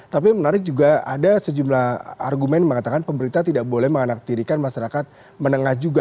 tapi menarik juga ada sejumlah argumen mengatakan pemerintah tidak boleh menganaktirikan masyarakat menengah juga